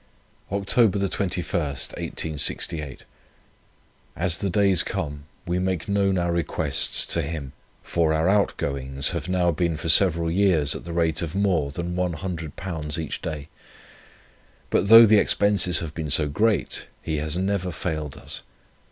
"Oct. 21 1868 As the days come, we make known our requests to Him, for our outgoings have now been for several years at the rate of more than One Hundred Pounds each day; but though the expenses have been so great, He has never failed us.